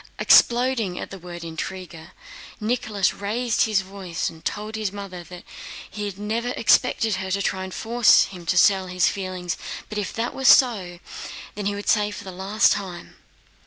Exploding at the word intriguer, Nicholas, raising his voice, told his mother he had never expected her to try to force him to sell his feelings, but if that were so, he would say for the last time....